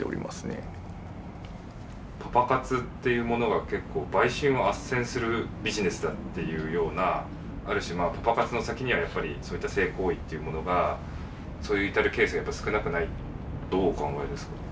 パパ活っていうものが結構売春をあっせんするビジネスだっていうようなある種パパ活の先にはやっぱりそういった性行為っていうものがそういう至るケースがやっぱ少なくないどうお考えですか？